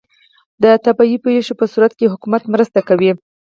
د طبیعي پیښو په صورت کې حکومت مرسته کوي؟